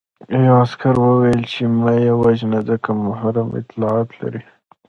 یوه عسکر وویل چې مه یې وژنه ځکه محرم اطلاعات لري